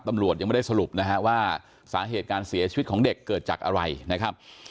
ตำรวจยังไม่ได้สรุปนะฮะว่าสาเหตุการเสียชีวิตของเด็กเกิดจากอะไรนะครับ